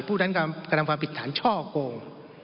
ผู้นั้นกระทำความผิดฐานช่อโกง